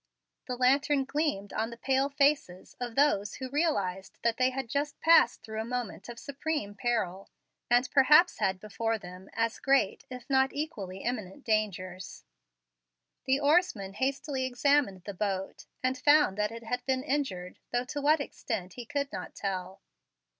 The lantern gleamed on the pale faces of those who realized that they had just passed through a moment of supreme peril, and perhaps had before them as great if not equally imminent dangers. The oarsman hastily examined the boat, and found that it had been injured, though to what extent he could not tell.